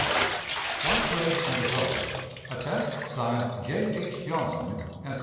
"Twice read and adopted. "Attest: (Signed) J. H. Johnson, S.